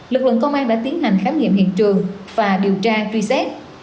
lực lượng công an đã tiến hành khám nghiệm hiện trường và điều tra truy xét